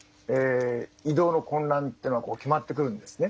移動の困難というのは決まってくるんですね。